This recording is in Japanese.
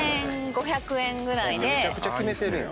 めちゃくちゃ決めてるやん。